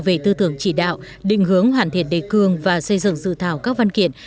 về tư tưởng chỉ đạo định hướng hoàn thiện đề cương và xây dựng dự thảo các văn kiện